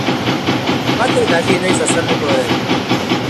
Batek daki noiz azalduko den!